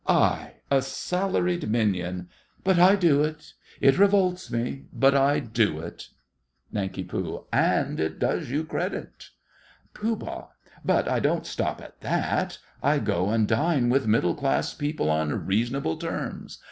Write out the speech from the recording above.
I a salaried minion! But I do it! It revolts me, but I do it! NANK. And it does you credit. POOH. But I don't stop at that. I go and dine with middle class people on reasonable terms.